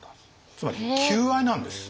つまり求愛なんです。